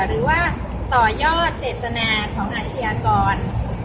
หรือว่าต่อยอดเจตนาของอาชญากร